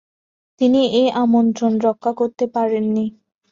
তিনি এ আমন্ত্রণ রক্ষা করতে পারেননি।